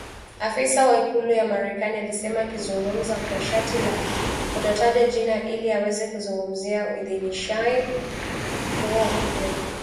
afisa wa ikulu ya Marekani alisema akizungumza kwa sharti la kutotajwa jina ili aweze kuzungumzia uidhinishaji huo mpya